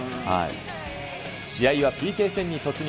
試合はＰＫ戦に突入。